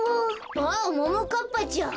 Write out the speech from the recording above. あっももかっぱちゃん。